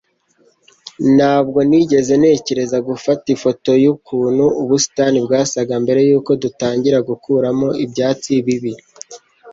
Ntabwo nigeze ntekereza gufata ifoto yukuntu ubusitani bwasaga mbere yuko dutangira gukuramo ibyatsi bibi